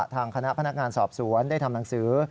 ทางคณะพนักงานสอบสวนได้ทำหนังสือ